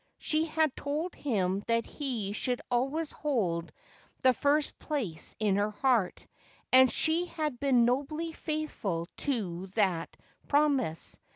She had told him that he should alwaj 7 s hold the first place in her heart, and she had been nobly faithful to that pro mise.